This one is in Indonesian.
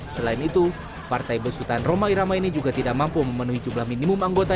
selain itu partai besutan roma irama ini juga tidak mampu memenuhi jumlah minimum anggota